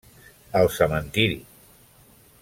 El cementiri.